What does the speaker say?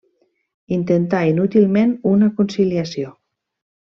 Intentà inútilment una conciliació.